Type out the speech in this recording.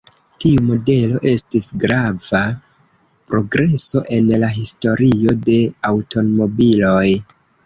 Tiu modelo estis grava progreso en la historio de aŭtomobiloj.